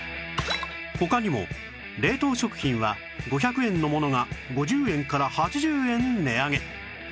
他にも冷凍食品は５００円のものが５０円から８０円値上げ